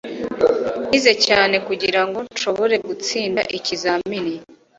nize cyane kugirango nshobore gutsinda ikizamini